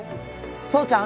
蒼ちゃん！